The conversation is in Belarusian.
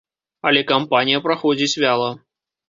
Але кампанія праходзіць вяла.